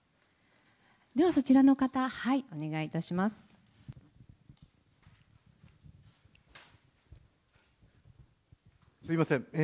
ではそちらの方、すみません。